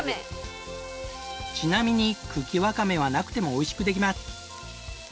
ちなみに茎ワカメはなくてもおいしくできます。